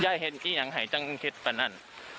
ย่ายเห็นกี่อย่างไห่จังคิดปะนั้น